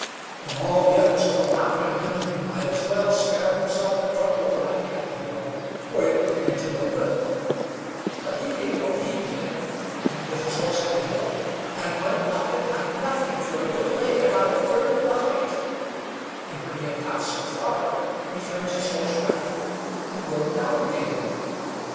Then all the others called out to him he might just as well spare himself the trouble of riding at the Hill, for it would lead to no good; but he gave no heed to them, and put his horse at the hill, and went up it like nothing for a good way, about a third of the height; and when he had got so far, he turned his horse round and rode down again.